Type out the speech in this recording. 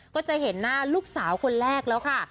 ก็จะเห็นหน้าลูกสาวคนแรกแล้วค่ะ